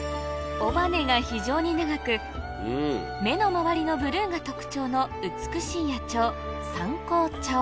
尾羽が非常に長く目の周りのブルーが特徴の美しい野鳥